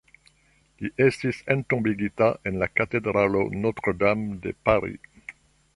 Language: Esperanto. Li estis entombigita en la katedralo Notre-Dame de Paris.